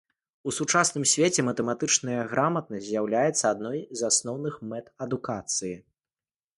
У сучасным свеце матэматычная граматнасць з'яўляецца адной з асноўных мэт адукацыі.